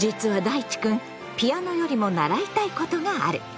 いちくんピアノよりも習いたいことがある。